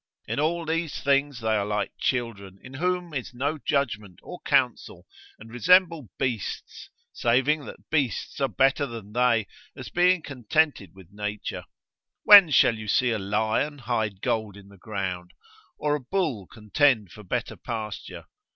In all these things they are like children, in whom is no judgment or counsel and resemble beasts, saving that beasts are better than they, as being contented with nature. When shall you see a lion hide gold in the ground, or a bull contend for better pasture?